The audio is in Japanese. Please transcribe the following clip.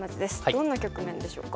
どんな局面でしょうか。